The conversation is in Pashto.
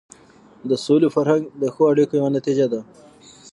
د سولې فرهنګ د ښو اړیکو یوه نتیجه ده.